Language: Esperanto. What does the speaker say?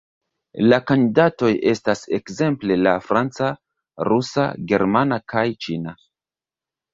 La kandidatoj estas ekzemple la franca, rusa, germana kaj ĉina.